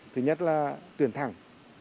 thứ nhất là tuyển thẳng